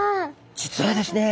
実はですね